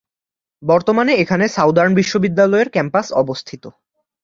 বর্তমানে এখানে সাউদার্ন বিশ্ববিদ্যালয়ের ক্যাম্পাস অবস্থিত।